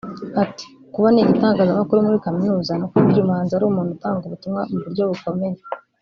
Ati “Kuba niga itangazamakuru muri kaminuza ni uko burya umuhanzi ari umuntu utanga ubutumwa mu buryo bukomeye